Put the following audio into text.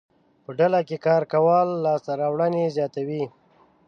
په ډله کې کار کول لاسته راوړنې زیاتوي.